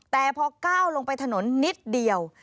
แต่พอก้าวลงไปถนนนิดเดียว